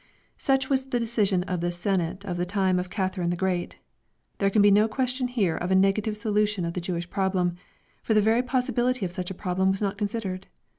Such was the decision of the Senate of the time of Catherine the Great. There can be no question here of a negative solution of the Jewish problem, for the very possibility of such a problem was not considered.